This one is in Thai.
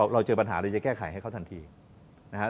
เราเจอปัญหาเราจะแก้ไขให้เขาทันทีนะครับ